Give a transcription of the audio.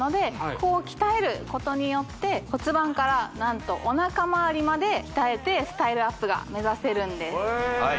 ここを鍛えることによって骨盤から何とお腹周りまで鍛えてスタイルアップが目指せるんですへえ